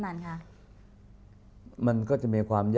อเรนนี่แหละอเรนนี่แหละ